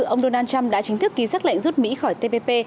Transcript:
ông donald trump đã chính thức ký xác lệnh rút mỹ khỏi tpp